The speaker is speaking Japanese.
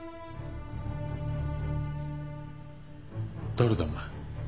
誰だお前。